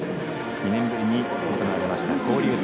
２年ぶりに行われました交流戦。